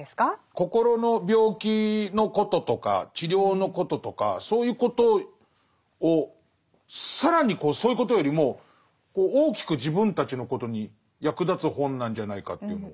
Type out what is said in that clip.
心の病気のこととか治療のこととかそういうことを更にそういうことよりも大きく自分たちのことに役立つ本なんじゃないかというのを。